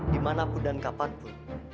dimanapun dan kapanpun